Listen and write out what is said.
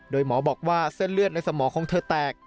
โดยหมอบอกว่าเส้นเลือดในสมองของเธอแตก